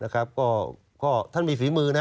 นะครับก็ท่านมีฝีมือนะ